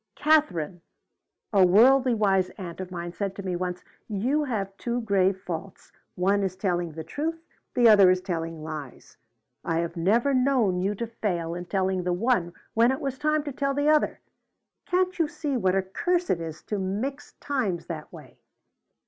"'Katherine,' a worldly wise aunt of mine said to me once, 'you have two grave faults. One is telling the truth. The other is telling lies. I have never known you to fail in telling the one when it was a time to tell the other.' Can't you see what a curse it is to mix times that way?"